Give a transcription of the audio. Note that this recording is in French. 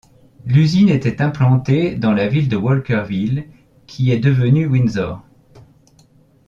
L'usine était implantée dans la ville de Walkerville qui est devenue Windsor.